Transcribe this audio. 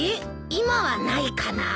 今はないかなあ。